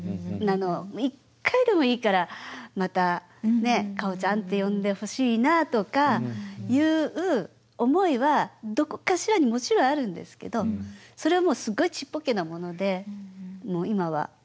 一回でもいいからまた「かおちゃん」って呼んでほしいなとかいう思いはどこかしらにもちろんあるんですけどそれはもうすごいちっぽけなものでもう今は。